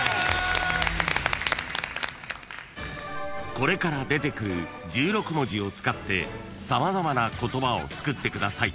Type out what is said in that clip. ［これから出てくる１６文字を使って様々な言葉を作ってください。